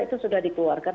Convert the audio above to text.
itu sudah dikeluarkan